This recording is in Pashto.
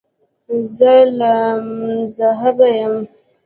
زه لامذهبه یم.